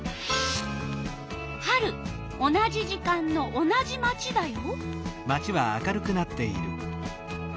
同じ時間の同じ町だよ。